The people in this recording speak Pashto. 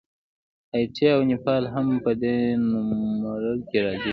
هایټي او نیپال هم په دې نوملړ کې راځي.